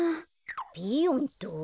ピーヨンと？